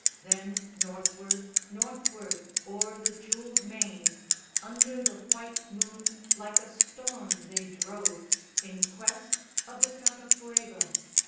Then Northward, Northward, o'er the jewelled main, Under the white moon like a storm they drove In quest of the Cacafuego.